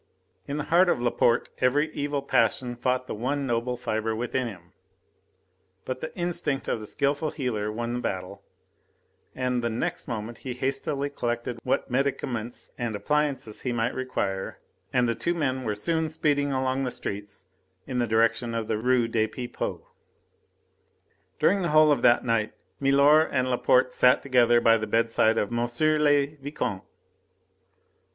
In the heart of Laporte every evil passion fought the one noble fibre within him. But the instinct of the skilful healer won the battle, and the next moment he had hastily collected what medicaments and appliances he might require, and the two men were soon speeding along the streets in the direction of the Rue des Pipots. During the whole of that night, milor and Laporte sat together by the bedside of M. le Vicomte.